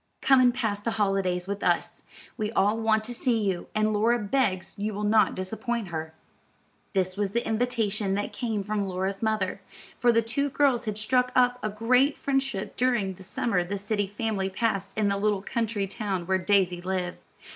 "Come and pass the holidays with us. We all want to see you, and Laura begs you will not disappoint her." This was the invitation that came from Laura's mother; for the two girls had struck up a great friendship during the summer the city family passed in the little country town where Daisy lived.